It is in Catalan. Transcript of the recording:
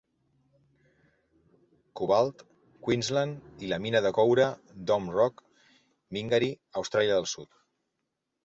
Cobalt, Queensland i la mina de coure Dome Rock, Mingary, Austràlia del Sud.